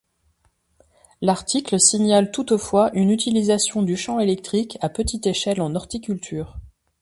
L'article signale toutefois une utilisation du champ électrique à petite échelle en horticulture.